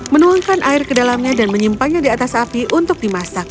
menuangkan air ke dalamnya dan menyimpannya di atas api untuk dimasak